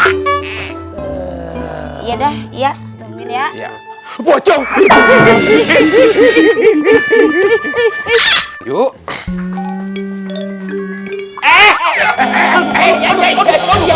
semuanya ya bayar bayar tomannya gini catsy lhong kesehatan haio ustadz vakasnya